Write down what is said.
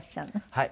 はい。